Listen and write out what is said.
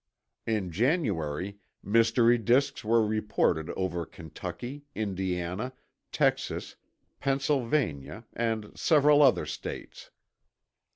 In January, mystery disks were reported over Kentucky, Indiana, Texas, Pennsylvania, and several other states.